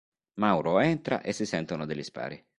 Mauro entra e si sentono degli spari.